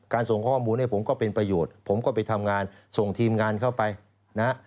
ส่งข้อมูลให้ผมก็เป็นประโยชน์ผมก็ไปทำงานส่งทีมงานเข้าไปนะฮะ